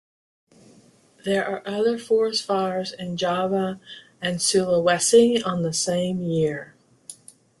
There are other forest fires in Java and Sulawesi on the same year.